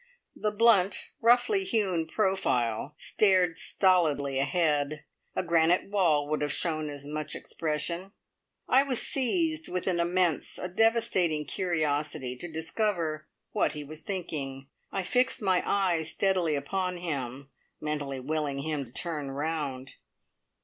The blunt, roughly hewn profile stared stolidly ahead. A granite wall would have shown as much expression. I was seized with an immense, a devastating curiosity to discover what he was thinking. I fixed my eyes steadily upon him, mentally willing him to turn round.